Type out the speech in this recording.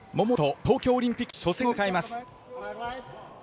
東京オリンピックの初戦を迎えます。